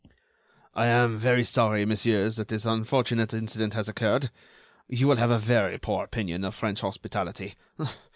"I am very sorry, messieurs, that this unfortunate incident has occurred. You will have a very poor opinion of French hospitality.